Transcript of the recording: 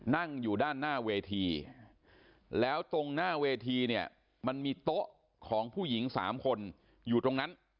นั่งอยู่ด้านหน้าเวทีแล้วตรงหน้าเวทีเนี่ยมันมีโต๊ะของผู้หญิง๓คนอยู่ตรงนั้น